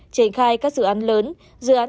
trình khai các dự án lớn dự án